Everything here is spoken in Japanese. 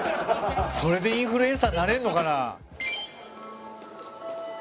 それでインフルエンサーになれんのかな？